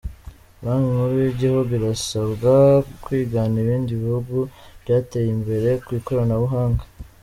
Banki nkuru yigihugu irasabwa kwigana ibindi bihugu byateye imbere ku ikoranabuhanga